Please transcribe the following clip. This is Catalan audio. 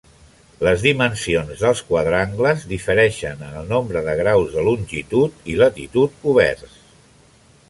Les dimensions dels quadrangles difereixen en el nombre de graus de longitud i latitud coberts.